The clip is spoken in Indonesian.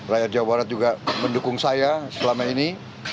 rakyat jawa barat juga mendukung saya selama ini